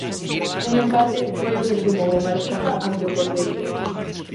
Un empate foi o que sumou o Malpica ante o cordeiro.